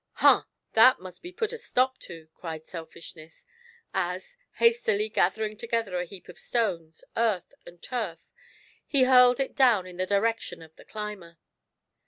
" Ha ! that must be put a stop to !" cried Selfishness, as, hastily gathering together a heap of stones, earth, and tur^ he hurled it down in the direction of the climber.